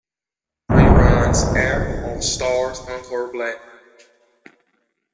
Reruns air on Starz Encore Black.